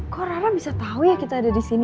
kok rara bisa tau ya kita ada di sini